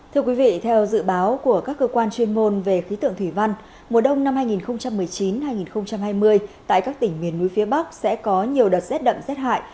thưa quý vị theo dự báo của các cơ quan chuyên môn về khí tượng thủy văn mùa đông năm hai nghìn một mươi chín hai nghìn hai mươi tại các tỉnh miền núi phía bắc sẽ có nhiều đợt rét đậm rét hại